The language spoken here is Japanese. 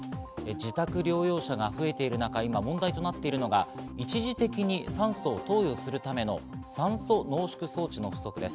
自宅療養者が増えている中、今問題となっているのが一時的に酸素を投与するための酸素濃縮装置の不足です。